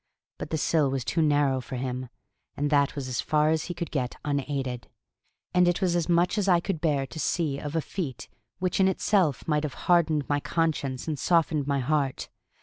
But the sill was too narrow for him; that was as far as he could get unaided; and it was as much as I could bear to see of a feat which in itself might have hardened my conscience and softened my heart.